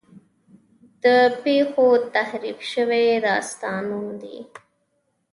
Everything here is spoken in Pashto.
د پېښو تحریف شوی داستان دی.